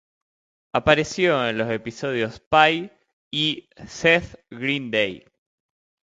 Apareció en los episodios "Pie" y "Seth Green Day".